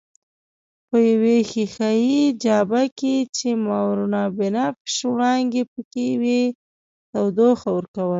په یوې ښیښه یي جابه کې چې ماورابنفش وړانګې پکښې وې تودوخه ورکول.